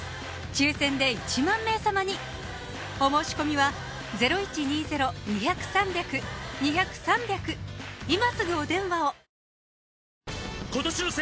抽選で１万名様にお申し込みは今すぐお電話を！